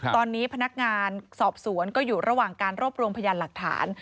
ตอนนี้พนักงานสอบสวนก็อยู่ระหว่างการรวบรวมพยานหลักฐาน